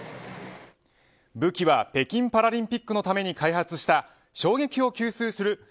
武器は北京パラリンピックのために開発した衝撃を吸収する